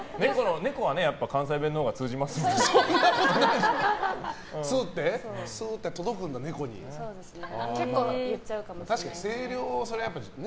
猫は関西弁のほうが通じますからね。